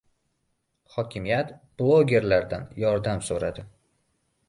Hokimiyat blogerlardan yordam so‘radi